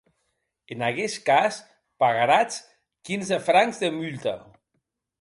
En aguest cas pagaràtz quinze francs de multa.